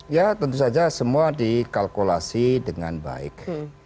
ya tentu saja semua dikalkulasi dengan baik